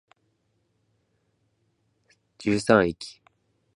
十三駅